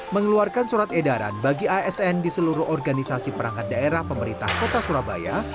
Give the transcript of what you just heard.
mengeluarkan surat edaran bagi asn di seluruh organisasi perangkat daerah pemerintah kota surabaya